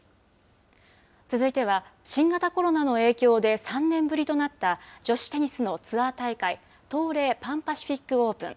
続いては新型コロナの影響で３年ぶりとなった女子テニスのツアー大会東レパンパシフィックオープン。